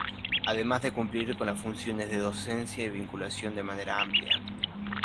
Además de cumplir con las funciones de docencia y vinculación de manera amplia.